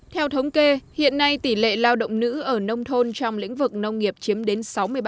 theo thống kê hiện nay tỷ lệ lao động nữ ở nông thôn trong lĩnh vực nông nghiệp chiếm đến sáu mươi ba